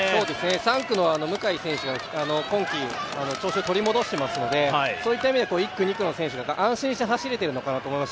３区の向井選手は今季、調子を取り戻していますので、そういった意味で１区、２区の選手が安心して走れているのかなと思います。